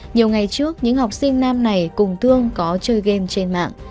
nhiều ngày trước những học sinh nam này cùng thương có chơi game trên mạng